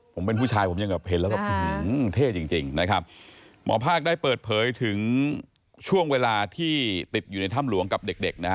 ผมเป็นผู้ชายผมยังแบบเห็นแล้วแบบเท่จริงจริงนะครับหมอภาคได้เปิดเผยถึงช่วงเวลาที่ติดอยู่ในถ้ำหลวงกับเด็กเด็กนะฮะ